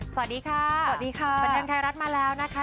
สวัสดีค่ะสวัสดีค่ะบันเทิงไทยรัฐมาแล้วนะคะ